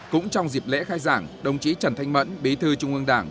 cũng trong dịp lễ khai giảng đồng chí trần thanh mẫn bí thư trung ương đảng